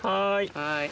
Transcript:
はい。